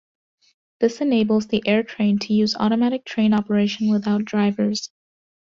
This enables the AirTrain to use automatic train operation without drivers.